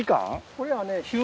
これはね。